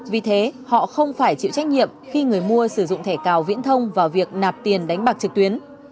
vì thế họ không phải chịu trách nhiệm khi người mua sử dụng thẻ cào viễn thông vào việc nạp tiền đánh bạc trực tuyến